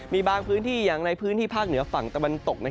มีบางพื้นที่อย่างในพื้นที่ภาคเหนือฝั่งตะวันตก